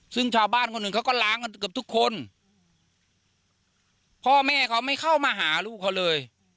ซึ่งชาวบ้านคนหนึ่งเขาก็ล้างกันเกือบทุกคนพ่อแม่เขาไม่เข้ามาหาลูกเขาเลย